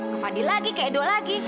ke fandi lagi ke edo lagi